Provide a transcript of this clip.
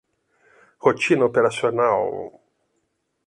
Rotina operacional